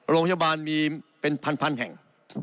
โรงพยาบาลมีเป็นพันแห่ง